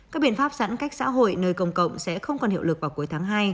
các biện pháp giãn cách xã hội nơi công cộng sẽ không còn hiệu lực vào cuối tháng hai